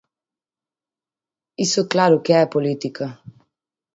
Iso claro que é política.